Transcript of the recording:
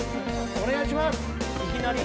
お願いします。